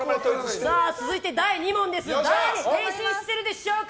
続いて第２問誰に変身してるでしょうか。